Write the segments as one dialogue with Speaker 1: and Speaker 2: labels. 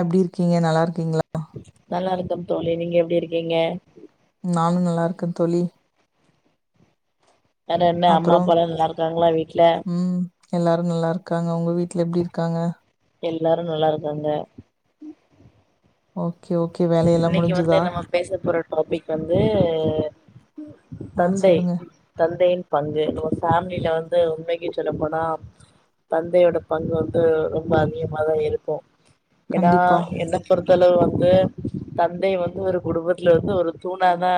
Speaker 1: அப்டி இருக்கீங்க நல்லா இருக்கீங்களா
Speaker 2: நல்லா இருக்கே தோழி நீங்க எப்டி இருக்கீங்க
Speaker 1: நானு நல்லா இருக்கே தோழி
Speaker 2: வேற என்ன அம்மா
Speaker 1: அப்புறம்,
Speaker 2: அப்பா எல்லாரு நல்லா இருக்காங்களா வீட்ல
Speaker 1: எல்லாரு நல்லா இருக்காங்க உங்க வீட்ல எப்டி இருக்காங்க
Speaker 2: எல்லாரு நல்லா இருக்காங்க
Speaker 1: ஓகே ஓகே வேலை எல்லா
Speaker 2: இன்னைக்கு வந்து
Speaker 1: முடிஞ்சுதா
Speaker 2: நம்ம பேச போற டாபிக் வந்து
Speaker 1: ஆ
Speaker 2: தந்தை
Speaker 1: சொல்லுங்க.
Speaker 2: தந்தையி பங்கு நம்ப ஃபேமிலில வந்து உண்மைக்கு சொல்ல போன தந்தையோட பங்கு வந்து ரொம்ப அதிகமா தா இருக்கும் ஏன்னா
Speaker 1: கண்டிப்பா,
Speaker 2: ஏன்ன பொறுத்தளவு வந்து தந்தை வந்து ஒரு குடும்பத்துல இருந்து ஒரு தூண தா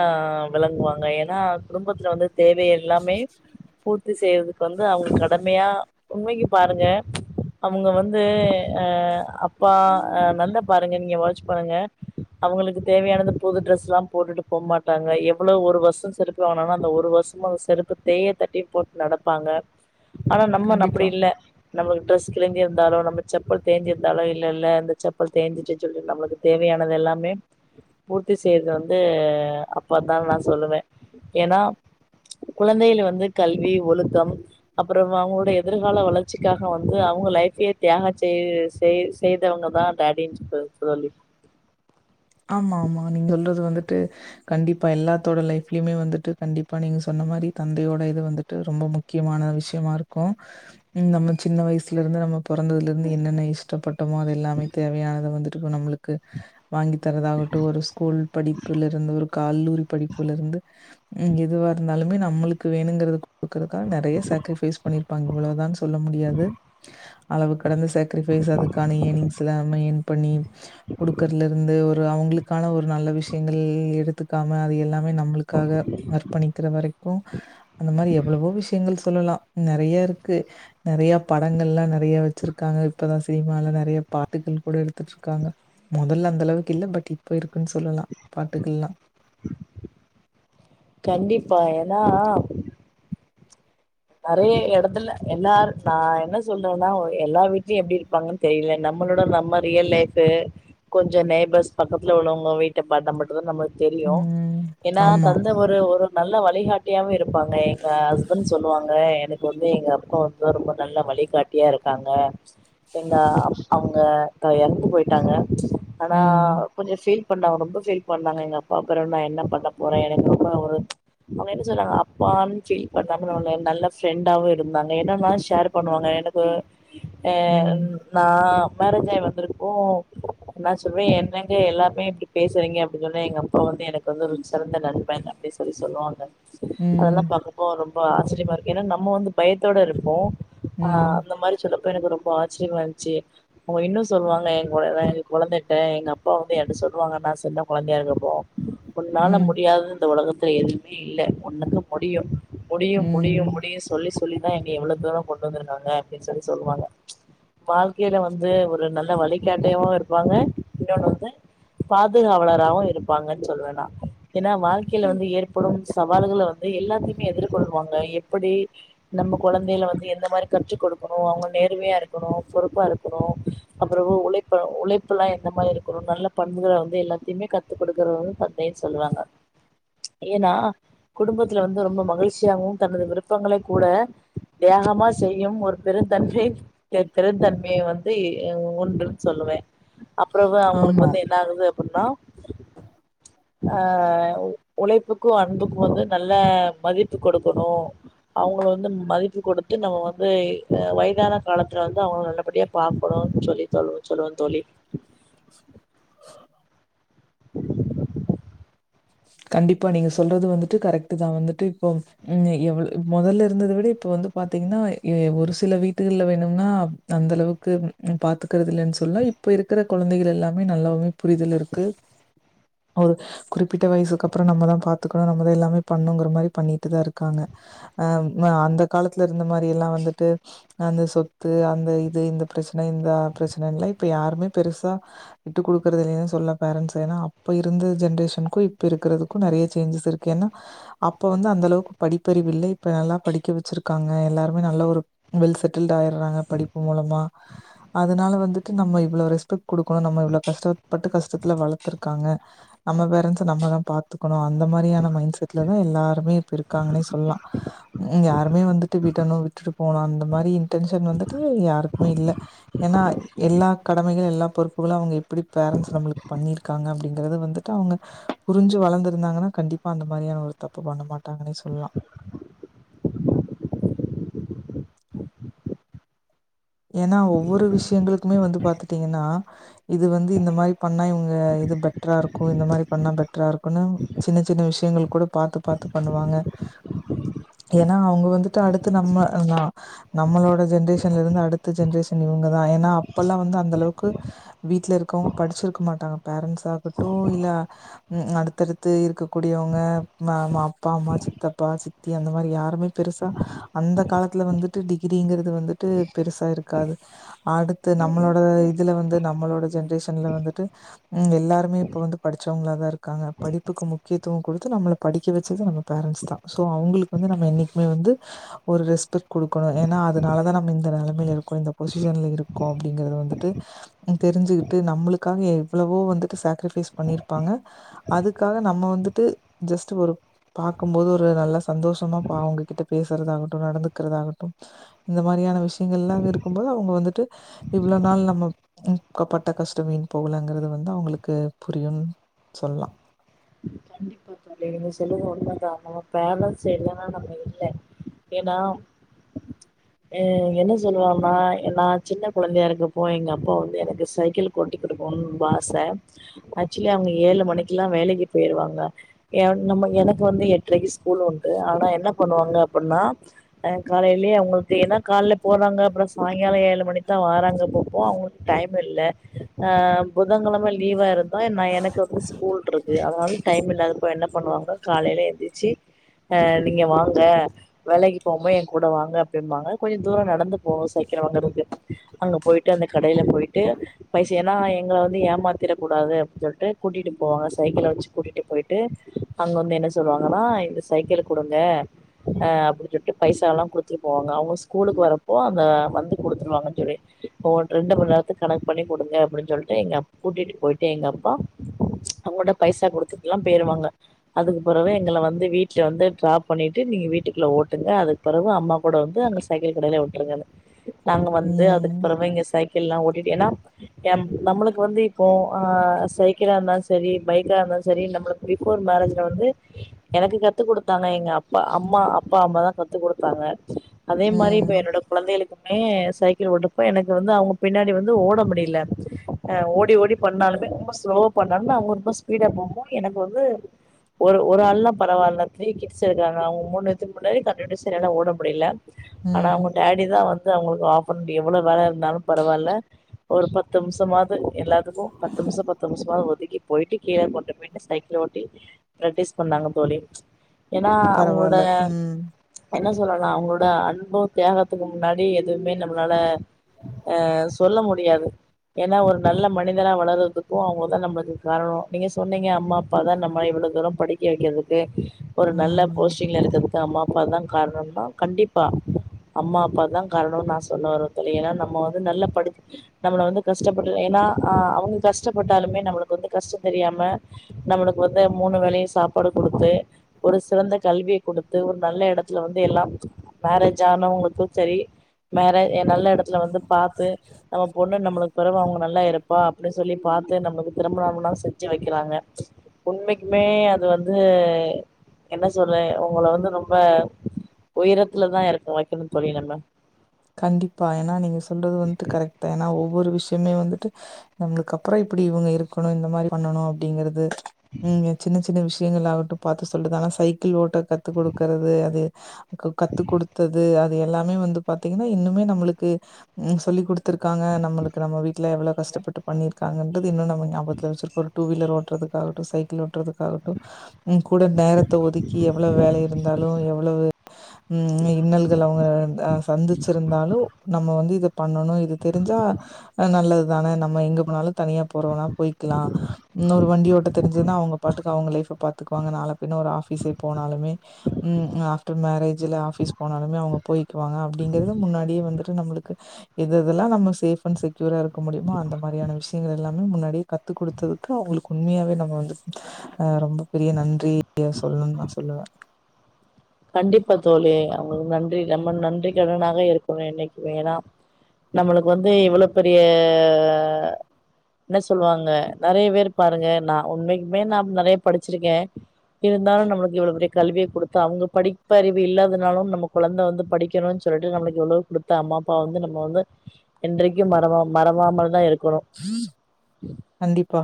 Speaker 2: வேளங்கு வாங்க ஏன்னா குடும்பத்துல வந்து தேவை எல்லாமே பூர் த்து செய்றதுக்கு வந்து அவுங்க கடமையா உண்மைக்கு பாருங்க அவுங்க வந்து ஆ அப்பா ஆ நல்ல பாருங்க நீங்க வாட்ச் பண்ணுங்க அவுங்களுக்கு தேவையானது புது டிரஸ் எல்லா போட்டுட்டு போ மாட்டாங்க எவ்ளோ ஒரு வருஷோ செ ப்பு வாங்குனாங்கன்னா அந்த ஒரு வர்ஷமு அந்த செருப்பு தேய தட்டிய போட்டு நடப்பாங்க ஆனா நம்ம [unintelligible] அப்டி
Speaker 1: கண்டிப்பா.
Speaker 2: இல்ல நம்மளு ட்ரெஸ் கிஞ்சிருந்தாலோ நம்ப செப்பல் தேஞ்சிருந்தாலோ இல்ல இல்ல இந்த செப்பல் தேஞ்சுட்டு ச்சொல்லி நம்ளுக்கு தேவையான் பண்ணது எல்லாமே பூர்த்தி செய்றது வந்து அப்பா தா நா சொல்லுவே ஏன்னா குழந்தைகளை வந்து கல்வி ஒழுக்கம் அப்றோ அவுங்களோட எதிர்கால வளர்ச்சிக்காக வந்து அவுங்க லைஃப்பையே தியாக செய் செய் செய்தவாங்கதா டேடின்னு [inaudible]
Speaker 1: ஆமா ஆமா நீங்க சொல்றது வந்துட்டு கண்டிப்பா எல்லாத்தோட லைஃப்லயுமே வந்துட்டு கண்டிப்பா நீங்க சொன்ன மாறி தந்தையோட இது வந்து ட்டு ரொம்ப முக்கியமான விஷயமா இருக்கும் நம்ப சின்ன வயசுல இருந்து நம்ப பொறந்ததுல இருந்து என்னென்ன இஷ்டப்பட்டமோ அது எல்லாமே தேவையானத வந்துட்டு நம்மளுக்கு வாங்கி தரதாகட்டும் ஒரு ஸ்கூல் படிப்புல இருந்து ஒரு கல்லூரி படிப்புல இருந்து ம் எதுவா இருந்தாலுமே நம்மளுக்கு வேணுங்கிறத குடுக்கறக்கா நெறைய சக்கிரிபைஸ் பண்ணிருப்பாங்க இவ்வளவுதான் சொல்ல முடியாது அளவு கடந்து சக்ரிபைஸ் அதுக்கான ஏனிங்ஸ்சுல இன்னு ஏன் பண்ணி குடுக்கறல இருந்து ஒரு அவுங்களுக்கான ஒரு நல்ல விஷியங்கள் எடுத்து காம அது எல்லாமே நம்மளுக்காக அர்ப்பணிக்கிற வரைக்கூ அந்த மாரி எவ்வளவோ விஷியங்கள் சொல்லலா நிறையா இருக்கு நெறைய படங்கள் எலாம் நெறைய வச்சிருக்காங்க இப்பதா சினிமால நிறைய பாட்டுகள் கூட எடுத்துட்டு இருக்காங்க முதல்ல அந்த அளவுக்கு இல்ல பட் இப்ப இருக்குன்னு சொல்லலா பாட்டுகள்லாம்
Speaker 2: கண்டிப்பா ஏனா நறையா இடத்துல எல்லாரு நா என்ன சொல்றேன்னா எல்லா வீட்லையு எப்புடி இருப்பாங்கன்னு தெரில நம்மளோட நம்ம ரியல் லைஃப்ஃபு கொஞ்ச நேபர்ஸ் பக்கத்துல உள்ளவங்க வீட்டை பாத்தா மட்டும் தா நம்மளுக்கு தெரியு
Speaker 1: ம்.
Speaker 2: ஏன்னா
Speaker 1: ஆமா.
Speaker 2: தந்த ஒரு ஒரு நல்ல வழிகாட்டியாவு இருப்பாங்க எங்க ஹஸ்பண்ட் சொல்லுவாங்க எனக்கு வந்து எங்க அப்பா அது தா ரொம்ப நல்ல வழிகாட்டியா இருக்காங்க எங்க அவங்க எறந்து போயிட்டாங்க அனா
Speaker 1: ம்.
Speaker 2: கொஞ்சோ ஃபீல் பண்ணாங்க ரொம்ப ஃபீல் பண்ணாங்க எங்க அப்பா பெறவு நா என்ன பண்ண போறே எனக்கு ரொம்ப ஒரு அவங்க என்ன சொன்னாங்க அப்பான்னு செய் [unintelligible] நல்ல ஃப்ரெண்டாவு இருந்தாங்க என்னன்னா ஷேர் பண்ணுவாங்க எனக்கு அ
Speaker 1: ம்.
Speaker 2: நா மேரேஜ் ஆய் வந்திருப்போ நா சொல்வே என்னங்க எல்லாமே இப்டி பேசுறீங்க அப்டின் சொன்னே எங்க அப்பா வந்து எனக்கு வந்து ஒரு சிறந்த நண்பன் அப்டி சரி சொல்லுவாங்க அதல்லா
Speaker 1: ம்.
Speaker 2: பாக்கப்போ ரொம்ப ஆச்சரியமா இருக்கு ஏன்னா நம்ம வந்து பயத்தோட இருப்போ ஆ
Speaker 1: ம்.
Speaker 2: அந்த மாரி சொன்னப்ப எனக்கு ரொம்ப ஆச்சரியமா இருந்த்ச்சு அவங்க என்ன சொல்லுவான்னா எ கொழந்த கொழந்தட்ட எங்க அப்பா வந்து ஏன்ட சொல்லுவாங்க நா சின்ன கொழந்தையா இருக்கப்போ உன்னால
Speaker 1: ம்.
Speaker 2: முடியாதது இந்த உலகத்துல எதுவுமே இல்ல உன்னுக்கு முடியு முடியு முடியு
Speaker 1: ம்.
Speaker 2: முடியு சொல்லி சொல்லிதா என்னைய இவ்ளோ தூரோ கொண்டு வந்துருந்தாங்க அப்டின் சொல்லி சொல்லுவாங்க வாழ்க்கையில வந்து ஒரு நல்ல வழிகாட்டியாவு இருப்பாங்க இன்னொன்னு வந்து பாதுகாவலராவு இருப்பாங்கன் சொல்லுவே நா ஏனா வாழ்க்கைல வந்து ஏற்படும் சவால்கள வந்து எல்லாத்தயுமே எதிர்கொள்வாங்க எப்படி நம்ம கொழந்தைல வந்து எந்த மாரி கற்று கொடுக்கணு அவங்க நேர்மையா இருக் இருக்கணு பொறுப்பாக இருக்கணு அப்புற உழைப்பு உழைப்புல்லா எந்த மாரி இருக்கணு நல்ல பண்புகள வந்து எல்லாத்தயுமே கத்து கொடுக்கற வந்து [unintelligible] லேன் சொல்லுவாங்க ஏனா குடும்பத்துல வந்து ரொம்ப மகிழ்ச்சியாவு தனது விருப் விருப்பங்களை கூட தியாகமா செய்யும் ஒரு பெருந்தன்மை ஏ பெருந்தன்மைய வந்து ஒன்றுன் சொல்லுவே அப்றவு அவங்களுக்கு
Speaker 1: ஆமா.
Speaker 2: வந்து என்ன ஆகுது அப்டின்னா அ உழைப்புக்கு அன்புக்கு வந்து நல்ல மதிப்பு கொடுக்கணு அவங்கள வந்து மதிப்பு கொடுத்து நம்ம வந்து அ வயதான காலத்துல வந்து அவங்க நல்லபடியா பாக்கணுனு சொல்லி சொல்லுங்க சொல்லுங்க தோழி
Speaker 1: கண்டிப்பா நீங்க சொல்றது வந்துட்டு கரெக்டு தா வந்துட்டு இப்போ ம் எவ்வள மொதல்ல இருந்தத விட இப்ப வந்து பாத்திங்கன்னா எ ஒரு சில வீட்டுகள்ல வேணும்னா அந்த அளவு கு பாத்துக்குறது இல்லன் சொல்லா இப்ப இருக்கிற குழந்தைகள் எல்லாமே நல்லாவுமே புரிதல் இருக்கு ஒரு குறிப்பிட் எட்டு வயசுக்கு அப்புறோ நம்ம தா பாத்துக்கணு நம்மதா எல்லா பண்ணுங்கிற மாரி பண்ணிட்டுதா இருக்காங்க அ அந்த காலத்துல இருந்த மாரி எல்லா வந்துட்டு அந்த சொத்து அந்த இது இந்த பிரச்சன இந்த ஆ பிரச்சனல்லா இப்ப யாருமே பெருசா விட்டுக் கொடுக்கறது இல்லைன்னு சொல்லா பேரன்ட்ஸ ஏனா அப்ப இருந்த ஜென்ரேஷனுக்கு இப் இப்ப இருக்கிறதுக்கு நெறய சேஞ்சஸ் இருக்கு ஏன்னா அப்ப வந்து அந்த அளவுக்கு படிப்பறிவு இல்ல இப்ப நல்லா படிக்க வச்சிருக்காங்க எல்லாருமே நல்ல ஒரு வெல் செட்டில்ட் ஆயிராங்க படிப்பு மூலமா அதனால வந்துட்டு நம்ம இவ்ளோ ரெஸ்பெக்ட் குடுக்கணு நம்ம இவ்வளோ கஷ்டப்பட்டு கஷ்டத்துல வளத்துருக்காங்க நம்ம பேரன்ட்ஸ் நம்மதா பாத்துக்கணு அந்த மாரியான மைண்ட் செட்ல தா எல்லாருமே இப்ப இருக்காங்கன்னே சொல்லா ம் யாருமே வந்துட்டு விடணு விட்டுட்டு போணு அந்த மாரி இன்டென்ஷன் வந்துட்டு யாருக்குமே இல்ல ஏனா எல்லா கடமைகளு எல்லா பொறுப்புகளு அவங்க எப்டி பேரண்ட்ஸ் நம்ளுக் பண்ணிருக் காங்க அப்டிங்றத வந்துட்டு அவங்க புரிஞ்சு வளந்திருந்தாங்கன்னா கண்டிப்பா அந்த மாரியான ஒரு தப்ப பண்ண மாட்டாங்கன்னே சொல்லா ஏனா ஒவ்வொரு விஷயங்களுக்குமே வந்து பாத்துட்டீங்கன்னா இது வந்து இந்த மாரி பண்ணா இவங்க இது பெட்டரா இருக்கு இந்த மாதிரி பண்ணா பெட்டரா இருக்குனு சின்ன சின்ன விஷயங்கள் கூட பாத்து பாத்து பண்ணுவாங்க ஏனா அவங்க வந்துட்டு அடுத்து நம்ம நா நம்மளோட ஜென்ரேஷன்ல இருந்து அடுத் த்து ஜென்ரேஷன் இவங்கதா ஏனா அப்பலா வந்து அந்த அளவுக்கு வீட்ல இருக்கவங்க படிச்சிருக்க மாட்டாங்க பேரண்ஸ் ஆகட்டும் இல்ல உம் அடுத்தடுத்து இருக்ககூடியவங்க மாமா அப்பா அம்மா சித்தப்பா சித் தி அந்த மாரி யாருமே பெருசா அந்த காலத்துல வந்துட்டு டிகிரிங்கிறது வந்துட்டு பெருஸ் தா இருக்காது அடுத்து நம்மளோட இதுல வந்து நம்மளோட ஜென்ரேஷன்ல வந்துட்டு எல்லாருமே இப்ப வந்து படிச்சவங்கள தான் இருக்காங்க படிப்புக்கு முக்கியத்துவம் கொடுத்து நம்மள படிக்க வச்சது நமக்கு பேரன்ஸ் தான் ஸோ அவங்களுக்கு வந்து நம்ம என்னைக்குமே வந்து ஒரு ரெஸ்பெக்ட் குடுக்கணு ஏனா அதனாலதா நம்ம இந்த நெல மேல இருக்கோம் இந்த பொசிஷன்ல இருக்கோம் அப்டிங்கறது வந்துட்டு தெரிஞ்சுகிட்டு நம்மளுக்காக எவ்ளவோ வந்துட்டு சேக்கரிபைஸ் பண்ணிருப்பாங்க அதுக்காக நம்ம வந்துட்டு ஜஸ்ட் ஒரு பாக்கும் போது ஒரு நல்ல சந்தோஷமா பா அவங்ககிட்ட பேசுறதாகட்டும் நடந்துக்கிறதாகட்டும் இந்த மாதிரியான விஷயங்கள் எல்லாம் அங்க இருக்கும்போது அவங்க வந்துட்டு இவ்ளோ நாள் நம்ம பட்ட கஷ்டம் வீண் போகலங்கறது வந்து அவங்களுக்கு புரியும் செல்லோம்
Speaker 2: கண்டிப்பா தோழி நீங்க சொல்றது உண்மதான் நம்ம பேரன்ஸ் இல்லன்னா நம்ம இல்ல ஏன்னா என்ன சொல்லுவாங்க ஏன்னா சின்ன குழந்தைகளுக்கு போய் எங்க அப்பா வந்து எனக்கு சைக்கிள் ஓட்டி கொடுக்கனும் ரொம்ப ஆச ஆக்சுவலி அவங்க ஏழு மணிக்கு எல்லாம் வேலைக்கு போயிருவாங்க ஏன் நம்ம எனக்கு வந்து எட்டரைக்கு ஸ்கூல் உண்டு ஆனா என்ன பண்ணுவாங்க அப்டின்னா ஆ காலையிலயே அவங்களுக்கு ஏன்னா காலைல போறாங்க அப்பறம் சாயங்காலம் ஏழு மணிக் தான் வராங்க போப்போம் அவங்களுக்கு டைம் இல்ல அஹ் புதன்கிழம லீவ்வா இருந்தா ந எனக்கு வந்து ஸ்கூல் இருக் கு அதனால டைம் இல்லாதப்ப என்ன பண்ணுவாங்க காலையில எழுந்திச்சு அஹ் நீங்க வாங்க வேலைக்கு போம்போது என் கூட வாங்க அப்டின்பாங்க கொஞ்சம் தூரம் நடந்து போவோம் சைக்கில் வாங்கறதுக்கு அங்க போயிட்டு அந்த கடையில போயிட்டு பைஸ் ஏனா எங்கள வந்து ஏமாத்திட கூடாது அப்டி சொல்ட்டு கூட்டிட்டு போவாங்க சைக்கிள்ல வச்சு கூட்டிட்டு போயிட்டு அங்க வந்து என்ன சொல்லுவாங்கன்னா இந்த சைக்கிள்ல குடுங்க அஹ் அப்டி சொல்ட்டு பைசா எல்லாம் குடுத்துட்டு போவாங்க அவங்க ஸ்கூலுக்கு வரப்போ அந்த வந்து குடுத்துருவாங்க தோழி ஒ ரெண்டு மண் நேரத்துக் கணக்கு பண்ணி குடுங்க அப்டின்னு சொல்ட்டு எங்க அப் கூட்டிட்டு போயிட்டு எங்க அப்பா அவங்க கிட்ட பைசா குடுத்துட்டு ஏம் போயிருவாங்க அதுக்கு பிறவு எங்கள வந்து வீட்ல வந்து டிராப் பண்ணிட்டு நீங்க வீட்டுக்குள்ள ஓட்டுங்க அது பிறவு அம்மா கூட வந்து அங்க சைக்கிள் கடையில விட்ருங்னு நாங்க வந்து அதுக்கு
Speaker 1: ம்.
Speaker 2: பிறவு இங்க சைக் கிள் எல்லாம் ஓட்டிட்டு ஏன்னா நம்மளுக்கு வந்து இப்போ ஆ சைக்கிளா இருந்தாலும் சரி சரி பைக்கா இருந்தாலும் சரி நம்மளுக்கு பிபோர் மேரேஜ்ல வந்து எனக்கு கத்து குடுத்தாங்க எங்க அப்பா அம்மா அப்பா அம்மா தான் கத்து குடுத்தாங்க அதே மாரி இப்ப
Speaker 1: ம்.
Speaker 2: என்னோட குழந்தைகளுக்குமே சைக்கிள் ஓட்றப்ப எனக்கு வந்து அவுங்க பின்னாடி வந்து ஓட முடியில அ ஓடி ஓடி பண்ணாலுமே ரொம்ப ஸ்லோவா பண்ணாலும் அவங்க ரொம்ப ஸ்பீடா போம்போது எனக்கு வந்து ஒரு ஒரு ஆள்னா பரவால்லா த்ரீ கிட்ஸ் இருக்காங்க அவுங்க மூணு பேத்க்கு முன்னாடி கன்டினுயுஸ்ஸா என்னால ஓட முடில ஆனா
Speaker 1: ம்.
Speaker 2: அவங்க டேடி தான் வந்து அவங்களுக்கு [unintelligible] எவ்வளோ வேல இருந்தாலு பரவால்ல ஒரு பத்து நிம்ஷமாது எல்லாத்துக்கும் பத்து நிமிஷம் பத்து நிமிஷம்வாது ஒதுக் வீட்க்கு போயிட்டு கீழ கொண்டு போயிட்டு சைக்கிள் ஓட்டி பிராக்டிஸ் பண்ணாங்க தோழி ஏன்னா
Speaker 1: பரவால்ல.
Speaker 2: அவங்களோடய
Speaker 1: ம்.
Speaker 2: என்ன சொல்லலாம் அவங்களோட அன்பும் தியாகத்துக்கு முன்னாடி எதுமே நம்ளால அ சொல்ல முடியாது ஏன்னா ஒரு நல்ல மனிதனா வளர்றதுக்கும் அவங்கதான் நம்ளு க்கு காரணம் நீங்க சொன்னீங்க அம்மா அப்பாதான் நம்மள இவ்ளோ தூரம் படிக்க வைக்கறதுக்கு ஒரு நல்ல
Speaker 1: ம்.
Speaker 2: போஸ்டிங்கில இருக்கறதுக்கு அம்மா அப்பா தா காரணம்னா கண்டிப்பா அம்மா அப்பா தான் காரணம் நான் சொல்ல வர தோழி ஏன்னா நம்ம வந்து நல்லா படிச் நம்மள வந்து கஷ்டப்பட ஏன்னா ஆ அவங்க கஷ்டப்பட்டாலுமே நம்மளுக்கு வந்து கஷ்டம் தெரியாம நம்மளுக்கு வந்து மூணு வேலையும் சாப்பாடு குடுத்து ஒரு சிறந்த கல்விய கொடுத்து ஒரு நல்ல இடத்துல வந்து எல்லாம் மேரேஜ் ஆனவங்களுக்கும் செரி மேரேஜ் என் நல்ல இடத்துல வந்து பாத்து நம்ம பொண்ணு நம்மளுக்கு பிறகு அவங்க நல்லா இருப்பா அப்படின்னு சொல்லி பார்த்து நம்மளுக்கு திருமணம் நா செஞ்சு வைக்கிறாங்க உண்மைக்குமே அது வந்து என்ன சொல்ற உங்களா வந்து ரொம்ப உயரத்துலதான் இருக்க வைக்கணும்ன்னு தோழி நம்ம
Speaker 1: கண்டிப்பா ஏன்னா நீங்க சொல்றது வந்துட்டு கரெக்ட்டா ஏன்னா ஒவ்வொரு விஷயமே வந்துட்டு நம்மளுக்கு அப்பறோ இப்டி இவுங்க இருக்கணும் இந்த மாதிரி பண்ணணும் அப்டிங்கறது ம் சின்ன சின்ன விஷயங்களாகட்டும் பார்த்து சொல்றது ஆனா சைக்கிள் ஓட்ட கத்து குடுக்கறது அது கத்து குடுத்தது அது எல்லாமே வந்து பாத்தீங்கன்னா இன்னுமே நமளுக்கு சொல்லி கொடுத்து இருக்காங்க நம்மளுக்கு நம்ம வீட்டுல எவ்வளவு கஷ்டப்பட்டு பண்ணிருக்க அங்க இருக்கது இன்னும் நம்ம ஞாபத்து வச்சிருக்கோ ஒரு டூ வீலர் ஓட்டறதுக்காகட்டும் சைக்கிள் ஓட்டறதுக்காட்டும் உன் கூட நேரத்த ஒதுக்கி எவ்ளோ வேலை இருந்தாலும் எவ்வளவு ம் இன்னல்கள் அவுங்க அ சந்திச்சிருந்தாலும் நம்ம வந்து இத பண்ணணும் இது தெரிஞ்சா நல்லது தானே நம்ம எங்க போனாலும் தனியா போறதுனா போயிக்கலா இன்னொரு வண்டி ஓட்ட தெரிஞ்சதுன்னா அவங்க பாட்டுக்கு அவங்க லைஃப் பாத்துக்குவாங்க நால பிண்ண ஒரு ஆபிஸே போனாலுமே ம் ஆஃப்டர் மேரஜ்ல ஆபீஸ் போனாலுமே அவுங்க போயிக்குவாங்க அப்டின்னு அப்படிங்கறத முன்னாடியே வந்துட்டு நம்மளுக்கு எது இதெல்லா நம்ம சேஃப் அண்ட் செக்யூரா இருக்க முடியுமோ அந்த மாதிரியான விஷயங்கள் எல்லாமே முன்னாடியே கத் த்து குடுத்ததுக்கு அவங்களுக்கு உண்மையாவே நம்ம வந்து ரொம்ப பெரிய நன்றி ஏ சொல்லுனு நா சொல்லுவ
Speaker 2: கண்டிப்பா தோழி அவங்களுக்கு நன்றி நம்ம நன்றி கடனாக இருக்கணும் என்னைக்குமே ஏனா நம்மளுக்கு வந்து இவ்வளவு பெரிய என்ன சொல்லுவாங்க நிறைய பேரு பாருங்க நா உண்மைக்குமே நா நிறைய படிச்சிருக்கே இருந்தாலும் நம்மளுக்கு இவ்ளோ பெரிய கல்வியை குடுத்து அவங்களு படிப்பறிவு இல்லாதனாலும் நம்ம கொழந்தை வந்து படிக்கணும்ன்னு சொல்லிட்டு நம்மளுக்கு எவ்ளோ குடுத்த அம்மா அப்பா வந்து நம்ம வந்து என்றைக்கும் மரவா மரவாமல் தான் இருக்கனும்
Speaker 1: கண்டிப்பா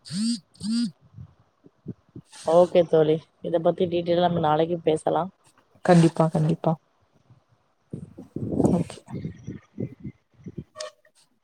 Speaker 1: [inaudible]
Speaker 2: ஓகே தோழி இத பத்தி டீட்டெயல் நம்ம நாளைக்கு பேசலா
Speaker 1: கண்டிப்பா கண்டிப்பா ம் ஆஹ [inaudible]